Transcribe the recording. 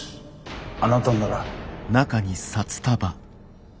あなたなら。